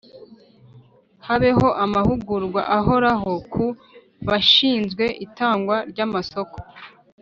Habeho amahugurwa ahoraho ku bashinzwe itangwa ry amasoko